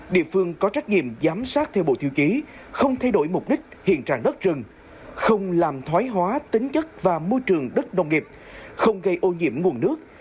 địa phương có trách nhiệm giám sát theo bộ tiêu chí không thay đổi mục đích hiện trạng đất rừng không làm thoái hóa tính chất và môi trường đất nông nghiệp không gây ô nhiễm nguồn nước